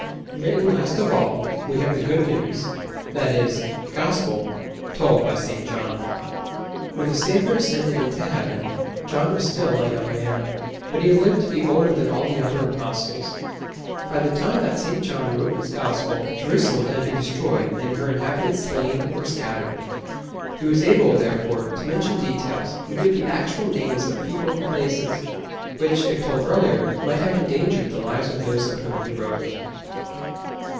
Written last of all, we have the good news that is, Gospel, told by St. John. When the Saviour ascended into Heaven, John was still a young man, but he lived to be older than all the other Apostles. By the time that St. John wrote his Gospel, Jerusalem had been destroyed and her inhabitants slain or scattered. He was able, therefore, to mention details, and give the actual names of people and places, which, if told earlier, might have endangered the lives of those of whom he wrote.